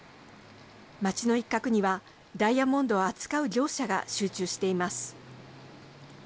町の一角にはダイヤモンドを扱う業者が集中しています。